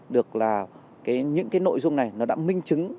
được là những cái nội dung này nó đã minh chứng